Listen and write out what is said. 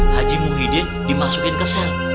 haji muhyiddin dimasukin ke sel